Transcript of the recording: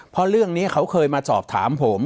เพราะเรื่องนี้เขาเคยมาสอบถามผม